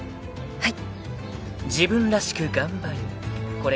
はい。